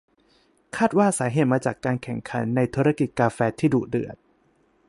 คาดว่าสาเหตุมาจากการแข่งขันในธุรกิจกาแฟที่ดุเดือด